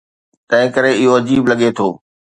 تنهنڪري اهو عجيب لڳي ٿو.